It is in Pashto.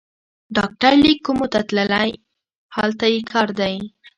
ډاکټر لېک کومو ته تللی، هلته یې کار دی.